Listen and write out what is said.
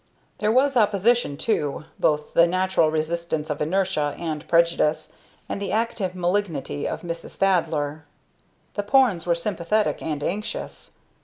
There was opposition too; both the natural resistance of inertia and prejudice, and the active malignity of Mrs. Thaddler. The Pornes were sympathetic and anxious.